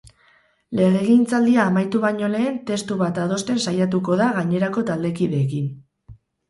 Legegintzaldia amaitu baino lehen testu bat adosten saiatuko da gainerako taldeekin.